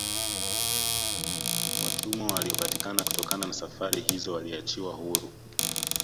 Watumwa waliopatikana kutokana na safari hizo waliachiwa huru